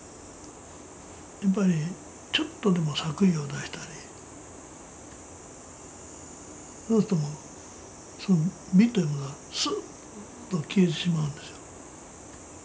やっぱりちょっとでも作為を出したりそうするとその美というものはすっと消えてしまうんですよ。